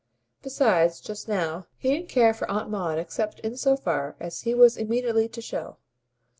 Besides, just now, he didn't care for Aunt Maud except in so far as he was immediately to show.